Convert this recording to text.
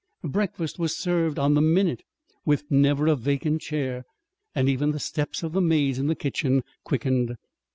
Breakfast was served on the minute with never a vacant chair; and even the steps of the maids in the kitchen quickened.